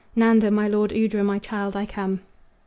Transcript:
Nanda, my lord, Udra, my child, I come!"